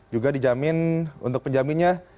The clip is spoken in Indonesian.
juga dijamin untuk penjaminnya